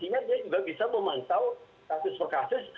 sehingga dia juga bisa memantau kasus per kasus